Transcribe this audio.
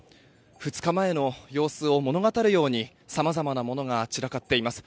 ２日前の様子を物語るようにさまざまなものが散らかっています。